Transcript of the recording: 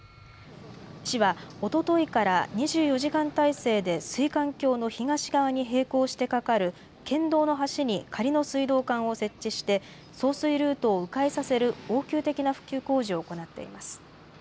市は、おとといから２４時間態勢で、水管橋の東側に並行して架かる県道の橋に仮の水道管を設置して、送水ルートをう回させる応急的な復旧工事を行っています。